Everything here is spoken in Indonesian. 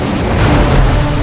aku ingin menemukanmu